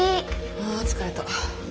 あ疲れた。